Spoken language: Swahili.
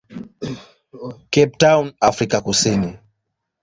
Cape Town, Afrika Kusini.